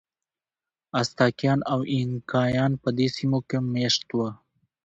ازتکیان او اینکایان په دې سیمو کې مېشت وو.